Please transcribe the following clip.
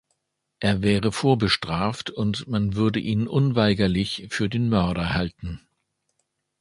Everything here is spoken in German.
Er wäre vorbestraft und man würde ihn unweigerlich für den Mörder halten.